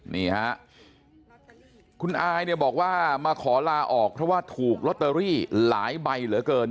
นี่ฮะคุณอายเนี่ยบอกว่ามาขอลาออกเพราะว่าถูกลอตเตอรี่หลายใบเหลือเกิน